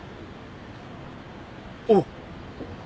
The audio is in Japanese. おう。